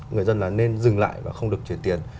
người dân là nên dừng lại và không được chuyển tiền